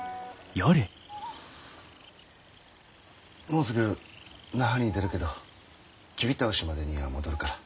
もうすぐ那覇に出るけどキビ倒しまでには戻るから。